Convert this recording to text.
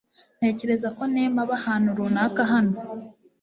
Ntekereza ko Nema aba ahantu runaka hano .